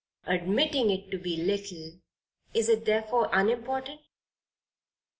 Admitting it to be little, is it therefore unimportant?